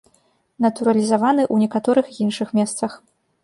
Натуралізаваны ў некаторых іншых месцах.